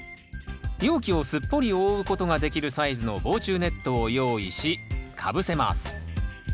容器をすっぽり覆うことができるサイズの防虫ネットを用意しかぶせます。